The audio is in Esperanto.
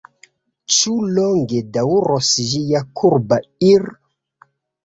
Ĉu longe daŭros ĝia kurba ir’?